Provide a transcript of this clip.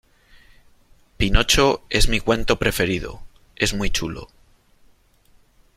pinocho . es mi cuento preferido . es muy chulo .